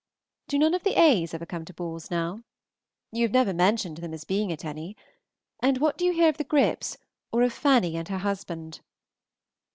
Do none of the A.'s ever come to balls now? You have never mentioned them as being at any. And what do you hear of the Gripps, or of Fanny and her husband?